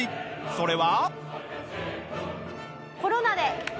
それは。